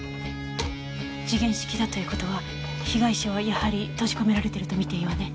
時限式だという事は被害者はやはり閉じ込められてるとみていいわね。